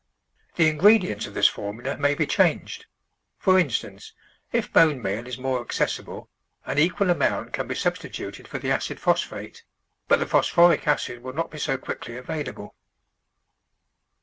The ingredients of this formula may be changed ; for instance, if bone meal is more accessible, an equal amount can be substituted for the acid phos phate, but the phosphoric acid will not be so quick ly available.